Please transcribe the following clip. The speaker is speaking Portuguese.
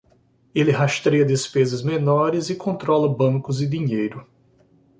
Ele rastreia despesas menores e controla bancos e dinheiro.